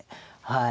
はい。